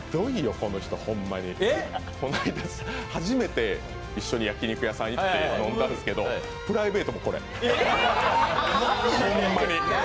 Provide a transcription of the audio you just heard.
この間、初めて一緒に焼き肉屋さんに行って飲んだんですけどプライベートもこれ、ほんまに。